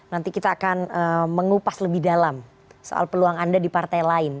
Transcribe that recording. nanti kita akan mengupas lebih dalam soal peluang anda di partai lain